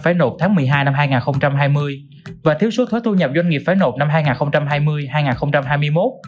phải nộp tháng một mươi hai năm hai nghìn hai mươi và thiếu số thuế thu nhập doanh nghiệp phải nộp năm hai nghìn hai mươi hai nghìn hai mươi một